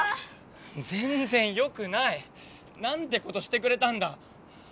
ぜんぜんよくない！なんてことしてくれたんだ！